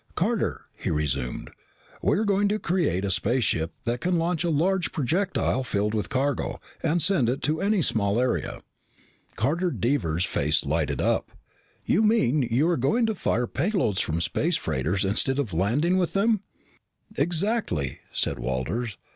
"Carter," he resumed, "we are going to create a spaceship that can launch a large projectile filled with cargo and send it to any small area." Carter Devers' face lighted up. "You mean, you are going to fire payloads from space freighters instead of landing with them?" "Exactly," said Walters.